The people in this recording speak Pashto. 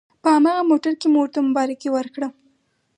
په هماغه موټر کې مو ورته مبارکي ورکړه.